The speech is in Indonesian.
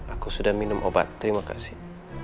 aku sudah minum obat terima kasih